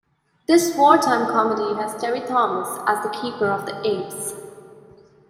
This wartime comedy has Terry-Thomas as the keeper of the apes.